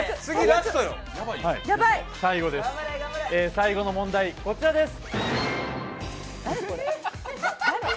最後の問題、こちらです。